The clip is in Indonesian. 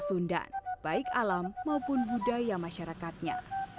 sundan baik alam maupun budaya masyarakatnya